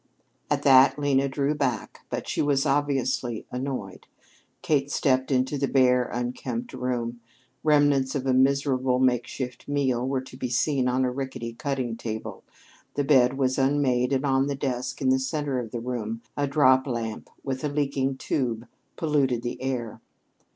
At that Lena drew back; but she was obviously annoyed. Kate stepped into the bare, unkempt room. Remnants of a miserable makeshift meal were to be seen on a rickety cutting table; the bed was unmade; and on the desk, in the center of the room, a drop lamp with a leaking tube polluted the air.